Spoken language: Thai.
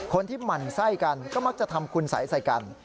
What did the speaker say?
หมั่นไส้กันก็มักจะทำคุณสัยใส่กัน